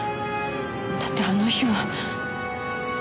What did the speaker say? だってあの日は。